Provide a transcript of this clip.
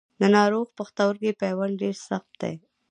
د ناروغ پښتورګي پیوند ډېر سخت دی.